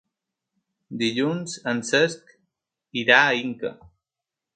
Dilluns en Cesc irà a Inca.